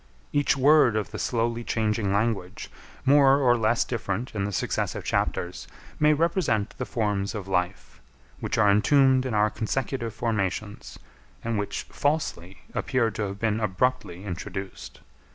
Each word of the slowly changing language, more or less different in the successive chapters, may represent the forms of life, which are entombed in our consecutive formations, and which falsely appear to have been abruptly introduced.